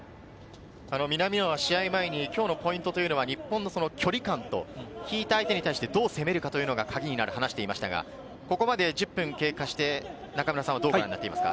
南野は試合前に今日のポイントというのは日本の距離感と引いた相手に対してどう攻めるかというのがカギになると話していましたが、ここまで１０分経過して、どうご覧になっていますか？